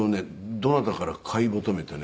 どなたからか買い求めてね